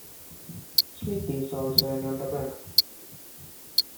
Smith is also an entrepreneur.